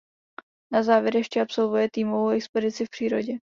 Na závěr ještě absolvuje týmovou expedici v přírodě.